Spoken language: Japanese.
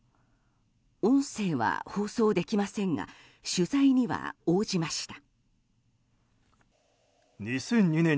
音声は放送できませんが取材には応じました。